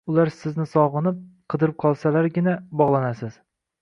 Ular sizni sogʻinib, qidirib qolsalargina bogʻlanasiz